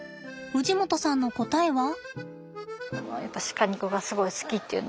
氏夲さんの答えは。